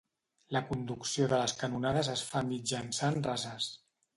La conducció de les canonades es fa mitjançant rases.